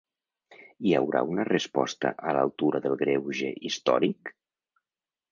Hi haurà una resposta a l’altura del greuge històric?